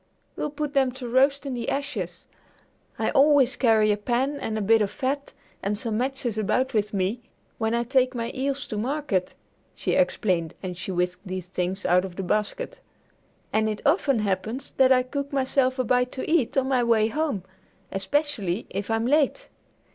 We'll put them to roast in the ashes. I always carry a pan and a bit of fat and some matches about with me when I take my eels to market," she explained as she whisked these things out of the basket, "and it often happens that I cook myself a bite to eat on my way home, especially if I'm late.